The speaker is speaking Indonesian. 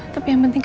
tapi yang penting